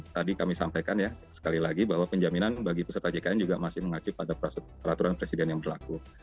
tadi kami sampaikan ya sekali lagi bahwa penjaminan bagi peserta jkn juga masih mengacu pada peraturan presiden yang berlaku